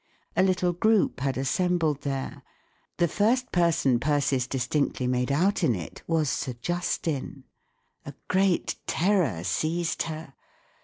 A little group had assembled there The first person Persis distinctly made out in it was Sir Justin* A great terror seized her.